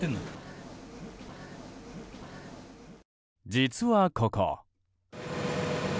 実は、ここ。